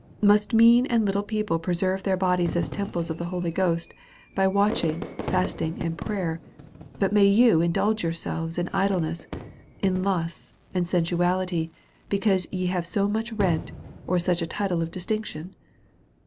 Must mean and little people preserve their bodies as temples of the Holy Ghost, tjy watching , fasting, and prayer ; but may you indulge yourselves in idleness, in lusts, and sensuality, because ye have so much rent, or such a title of distinc tion